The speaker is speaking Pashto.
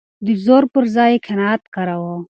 د زور پر ځای يې قناعت کاراوه.